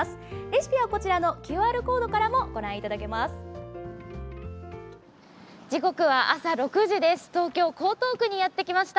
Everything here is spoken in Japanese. レシピはこちらのＱＲコードからもご覧になれます。